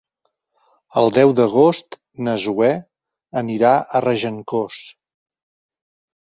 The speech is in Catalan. El deu d'agost na Zoè anirà a Regencós.